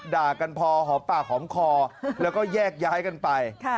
ด่ากันพอหอมปากหอมคอแล้วก็แยกย้ายกันไป